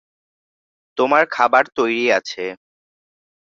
তোমার খাবার তৈরি আছে।